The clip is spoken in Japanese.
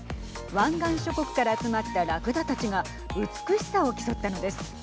湾岸諸国から集まったらくだたちが美しさを競ったのです。